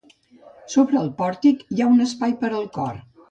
Sobre el pòrtic hi ha un espai per al cor.